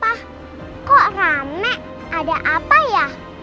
wah kok rame ada apa ya